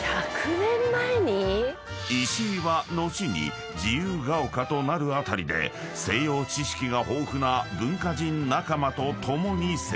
［石井は後に自由が丘となる辺りで西洋知識が豊富な文化人仲間と共に生活］